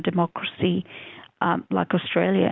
di demokrasi seperti australia